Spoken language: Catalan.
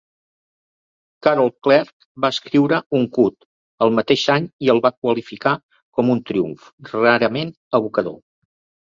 Carol Clerk va escriure "Uncut" el mateix any i el va qualificar com "un triomf rarament evocador".